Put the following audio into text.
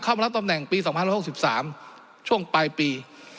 มารับตำแหน่งปี๒๐๖๓ช่วงปลายปี